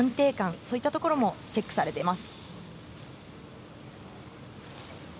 そういったところもチェックされています。